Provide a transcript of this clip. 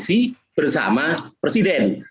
politik koalisi bersama presiden